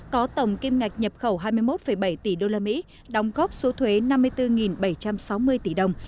có tổng kim ngạch nhập khẩu hai mươi một bảy tỷ usd đóng góp số thuế năm mươi bốn bảy trăm sáu mươi tỷ đồng